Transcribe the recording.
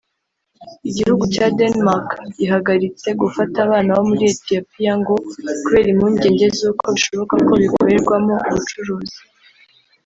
igihugu cya Denmark gihagaritse gufata abana bo muri Etiyopiya ngo kubera impungenge z’uko bishoboka ko bikorerwamo ubucuruzi